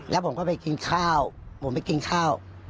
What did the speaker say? แล้วผมก็ไปกินข้าวผมไปกินข้าว